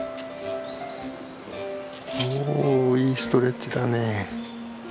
おいいストレッチだね。